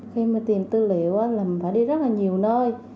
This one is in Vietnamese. khi mà tìm tư liệu mình phải đi rất là nhiều nơi